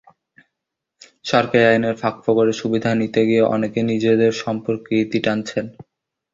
সরকারি আইনের ফাঁকফোকরের সুবিধা নিতে গিয়ে অনেকে নিজেদের সম্পর্কের ইতি টানছেন।